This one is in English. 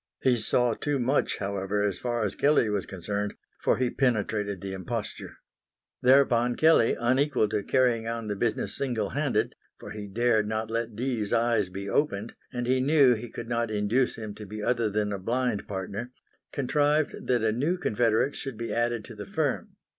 He saw too much, however, as far as Kelley was concerned, for he penetrated the imposture. Thereupon Kelley, unequal to carrying on the business single handed, for he dared not let Dee's eyes be opened and he knew he could not induce him to be other than a blind partner, contrived that a new confederate should be added to the firm.